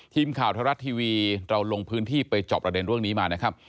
ทีมข่าวไทยรัฐทีวีเราลงพื้นที่ไปจอบประเด็นเรื่องนี้มานะครับ